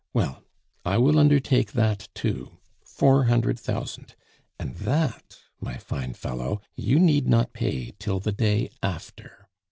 Well, I will undertake that too: Four hundred thousand and that, my fine fellow, you need not pay till the day after.